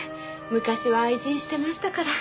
昔は愛人してましたから。